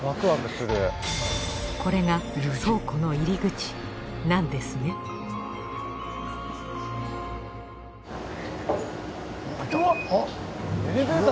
これが倉庫の入り口なんですね開いた。